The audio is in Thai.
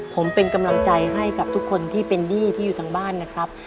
ผมเป็นกำลังใจให้กับทุกคนที่เป็นหนี้ที่อยู่ทางบ้านนะครับ